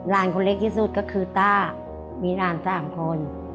คนเล็กที่สุดก็คือต้ามีหลาน๓คน